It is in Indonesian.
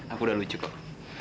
aku udah lucu kok